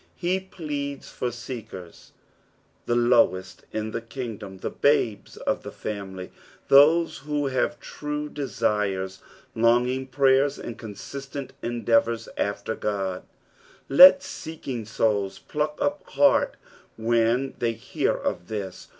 He pleads for seekers : the lowest in the kingdom, the babes of the family ; those who have true de sires, longing prayers, and consistent endeavours after Qod. Let seeking souls Eluck up heart when they hear of this.